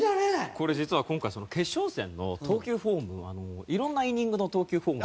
これ実は今回決勝戦の投球フォームをいろんなイニングの投球フォーム。